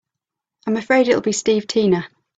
I'm afraid it'll be Steve Tina.